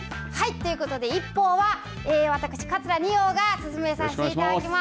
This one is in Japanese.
ということでＩＰＰＯＵは私、桂二葉が進めさせていただきます。